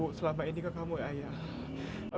tapi ternyata tidak ramai sekali kita bekerja bersama